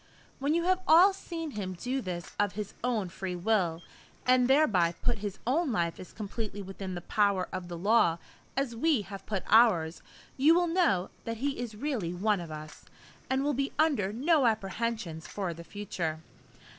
When you have all seen him do this of his own free will, and thereby put his own life as completely within the power of the law as we have put ours, you will know that he is really one of us, and will be under no apprehensions for the future.